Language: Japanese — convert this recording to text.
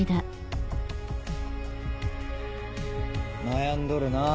悩んどるなぁ。